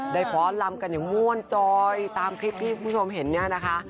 ฟ้อนลำกันอย่างม่วนจอยตามคลิปที่คุณผู้ชมเห็นเนี่ยนะคะ